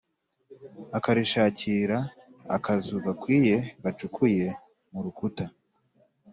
Akarishakira akazu gakwiye gacukuye mu rukuta,